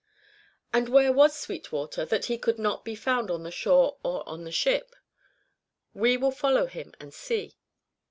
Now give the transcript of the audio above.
And where was Sweetwater, that he could not be found on the shore or on the ship? We will follow him and see.